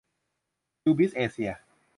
ยูบิส เอเชีย